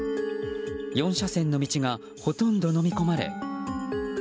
４車線の道がほとんど、のみ込まれ。